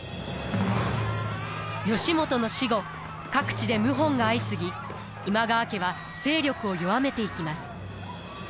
義元の死後各地で謀反が相次ぎ今川家は勢力を弱めていきます。